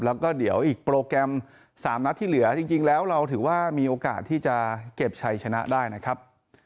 แล้วก็เดี๋ยวอีกโปรแกรม๓นัดที่เหลือจริงแล้วเราถือว่ามีโอกาสที่จะเก็บชัยชนะได้นะครับ